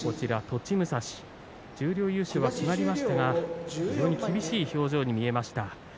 栃武蔵、十両優勝は決まりましたが非常に厳しい表情に見えました。